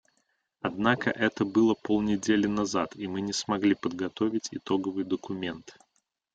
Однако это было полнедели назад, и мы не смогли подготовить итоговый документ.